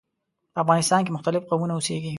په افغانستان کې مختلف قومونه اوسیږي.